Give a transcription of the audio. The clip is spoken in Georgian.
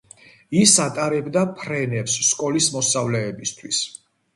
ის ატარებდა ფრენებს სკოლის მოსწავლეებისთვის.